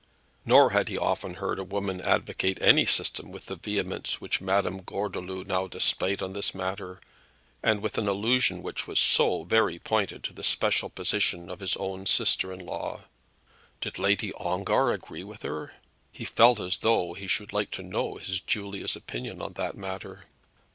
Nor had he often heard a woman advocate any system with the vehemence which Madame Gordeloup now displayed on this matter, and with an allusion which was so very pointed to the special position of his own sister in law. Did Lady Ongar agree with her? He felt as though he should like to know his Julia's opinions on that matter.